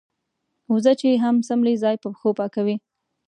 وزه چې هم څملې ځای په پښو پاکوي.